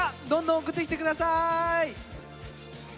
どんどん送ってきて下さい！